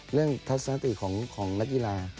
เรื่องทัศนติของนักกีฬา